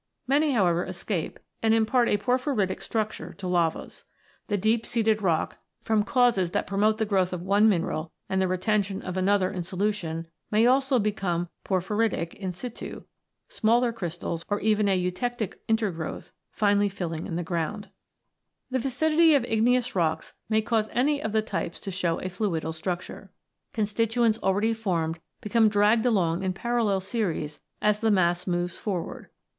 Many, however, escape, and impart a porphyritic structure to lavas. The deep seated rock, from causes that promote the growth of 120 ROCKS AND THEIR ORIGINS [CH. one mineral and the retention of another in solution, may also become " porphyritic " in situ, smaller crystals, or even a eutectic intergrowth, finally filling in the ground. The viscidity of igneous rocks may cause any of the types to show a fluidal structure. Constituents already formed become dragged along in parallel series as the mass moves forward.